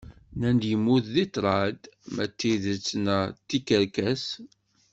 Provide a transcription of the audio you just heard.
Nnan yemmut deg ṭṭrad, ma d tidett neɣ d tikerkas